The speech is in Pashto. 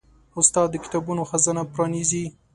استاد د کتابونو خزانه پرانیزي.